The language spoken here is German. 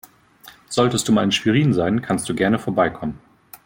Solltest du mal in Schwerin sein, kannst du gerne vorbeikommen.